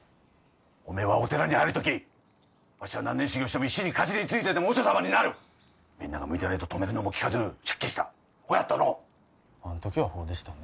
おめはお寺に入るときわしは何年修行しても石にかじりついても和尚様になるみんなが向いてねえと止めるのも聞かず出家したほやったのうあんときはほうでしたね